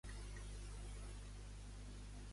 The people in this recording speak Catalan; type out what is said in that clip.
Qui és que rep el nom de Rabí Loitzker?